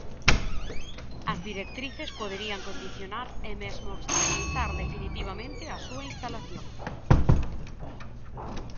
As Directrices poderían condicionar e mesmo obstaculizar definitivamente a súa instalación.